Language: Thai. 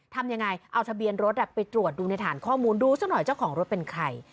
ทำยังไงเอาทะเบียนรถไปตรวจดูในฐานข้อมูลดูซะหน่อยเจ้าของรถเป็นใคร